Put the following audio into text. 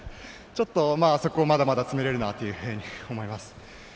ちょっと、そこはまだまだ詰めれるなというふうに思います。